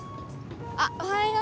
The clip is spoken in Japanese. あっおはよう。